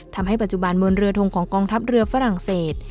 ทำให้ปัจจุบันบนเรือทงของกองทัพเรือฝรั่งเศส